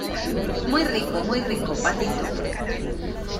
muy rico, muy rico , patito.